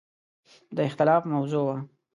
د اختلاف موضوع وه.